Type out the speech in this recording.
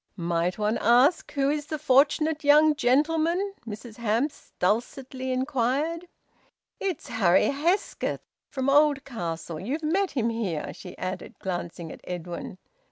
"Might one ask who is the fortunate young gentleman?" Mrs Hamps dulcetly inquired. "It's Harry Hesketh, from Oldcastle... You've met him here," she added, glancing at Edwin.